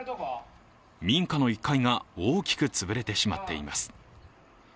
民家の１階が大きく潰れてしまっています。